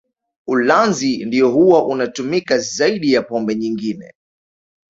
Ulanzi ndio huwa unatumika zaidi ya pombe nyingine